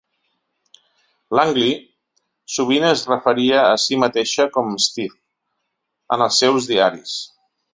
Langley sovint es referia a si mateixa com "Steve" en els seus diaris.